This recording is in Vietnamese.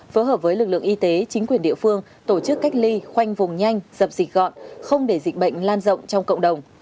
phối hợp với lực lượng y tế chính quyền địa phương tổ chức cách ly khoanh vùng nhanh dập dịch gọn không để dịch bệnh lan rộng trong cộng đồng